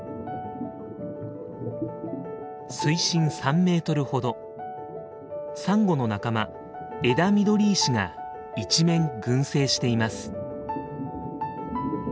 水深３メートルほどサンゴの仲間エダミドリイシが一面群生しています。